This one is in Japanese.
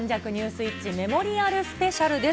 イッチ・メモリアルスペシャルです。